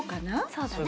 そうだね。